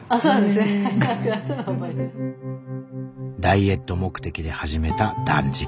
ダイエット目的で始めた断食。